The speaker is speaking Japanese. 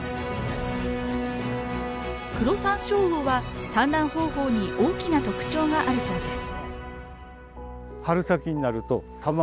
クロサンショウウオは産卵方法に大きな特徴があるそうです。